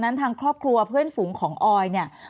แอนตาซินเยลโรคกระเพาะอาหารท้องอืดจุกเสียดแสบร้อน